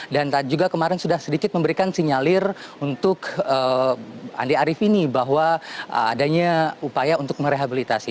dan juga kemarin sudah sedikit memberikan sinyalir untuk andi arief ini bahwa adanya upaya untuk merehabilitasi